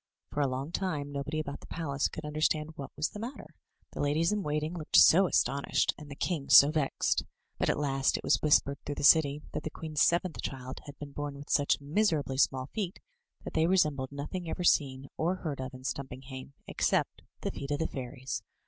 For a long time nobody about the palace could imderstand what was the matter — the ladies in waiting looked so astonished, and the king so vexed; but at last it was whispered through the city that the queen's seventh child had been bom with such miserably small feet that they resembled nothing ever seen or heard of in Stimipinghame, except the feet of the fairies.